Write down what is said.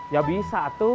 ya bisa atuh